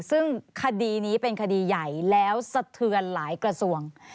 ซึ่งคดีนี้เป็นคดีใหญ่แล้วสะเทือนหลายกระทรวง